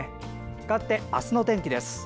かわって明日のお天気です。